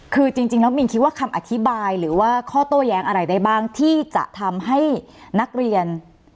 คือจริงแล้วมินคิดว่าคำอธิบายหรือว่าข้อโต้แย้งอะไรได้บ้างที่จะทำให้นักเรียน